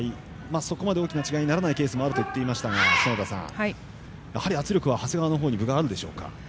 そこまで大きな違いにならないケースもあると言っていましたがやはり圧力は長谷川に分があるでしょうか。